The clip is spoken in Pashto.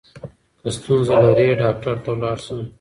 که ستونزه لرې ډاکټر ته ولاړ شه.